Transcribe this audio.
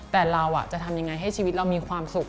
แต่เราจะทำยังไงให้ชีวิตเรามีความสุข